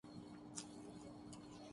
اس کا مطلب آپ کو اچھا خاصا تجربہ ہے